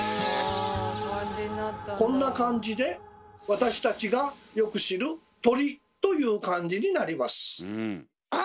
こんな感じで私たちがよく知る「鳥」という漢字になります。